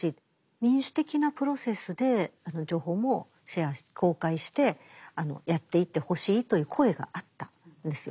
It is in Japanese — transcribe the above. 民主的なプロセスで情報もシェアして公開してやっていってほしいという声があったんですよ。